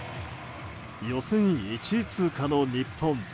予選１位通過の日本。